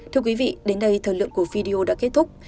thưa quý vị đến đây thời lượng của video đã kết thúc